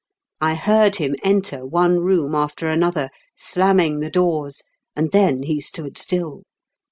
I heard him enter one room after another, slamming the doors, and then he stood still.